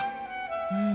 うん。